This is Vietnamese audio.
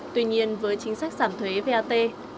tuy nhiên với chính sách giảm thuế vat